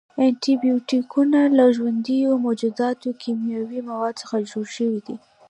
انټي بیوټیکونه له ژوندیو موجوداتو، کیمیاوي موادو څخه جوړ شوي دي.